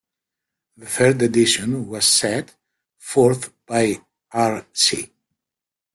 The third edition was Set forth by R.c.